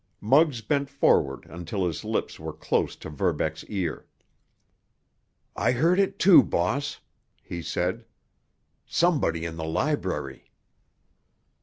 Muggs bent forward until his lips were close to Verbeck's ear. "I heard it, too, boss," he said. "Somebody in the library!"